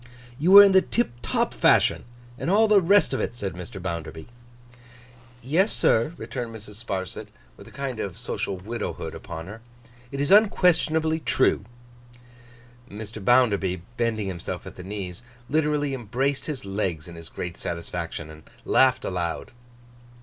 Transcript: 'You were in the tiptop fashion, and all the rest of it,' said Mr. Bounderby. 'Yes, sir,' returned Mrs. Sparsit, with a kind of social widowhood upon her. 'It is unquestionably true.' Mr. Bounderby, bending himself at the knees, literally embraced his legs in his great satisfaction and laughed aloud.